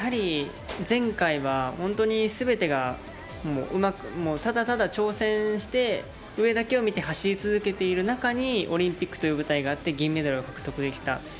やはり前回は全てがただただ挑戦して上だけを見て走り続けている中にオリンピックという舞台があって銀メダルを獲得できた。